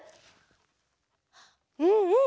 うんうん。